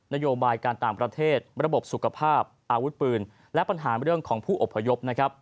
นโยบายการต่างประเทศระบบสุขภาพอาวุธปืนและปัญหาเรื่องของผู้อพยพ